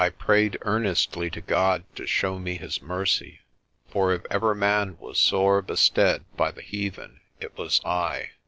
I prayed earnestly to God to show me His mercy, for if ever man was sore bestead by the heathen it was I.